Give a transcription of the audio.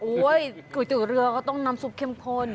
ก๋วยเตี๋ยวเรือก็ต้องน้ำซุปเข้มข้น